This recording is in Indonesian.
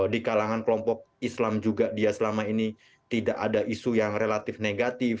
di kalangan kelompok islam juga dia selama ini tidak ada isu yang relatif negatif